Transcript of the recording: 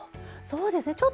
そうですね。